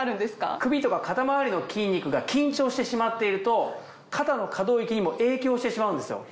首とか肩周りの筋肉が緊張してしまっていると肩の可動域にも影響してしまうんですよ。